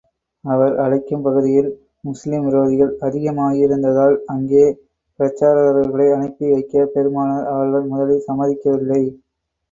அவர் அழைக்கும் பகுதியில், முஸ்லிம் விரோதிகள் அதிகமாயிருந்ததால், அங்கே பிரச்சாரகர்களை அனுப்பி வைக்கப் பெருமானார் அவர்கள் முதலில் சம்மதிக்கவில்லை.